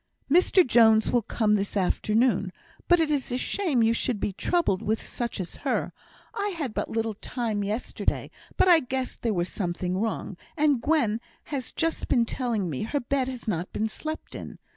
"Mr Jones will come this afternoon. But it is a shame you should be troubled with such as her. I had but little time yesterday, but I guessed there was something wrong, and Gwen has just been telling me her bed has not been slept in.